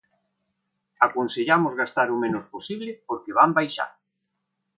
Aconsellamos gastar o menos posible porque van baixar.